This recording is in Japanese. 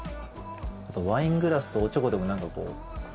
あとワイングラスとおちょこでも何かこう。